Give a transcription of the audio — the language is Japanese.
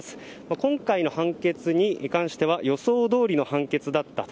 今回の判決に関しては予想どおりの判決だったと。